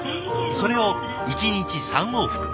それを１日３往復。